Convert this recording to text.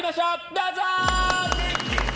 どうぞ！